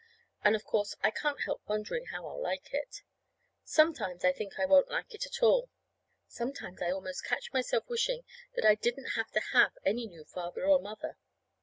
And, of course, I can't help wondering how I'll like it. Sometimes I think I won't like it at all. Sometimes I almost catch myself wishing that I didn't have to have any new father or mother.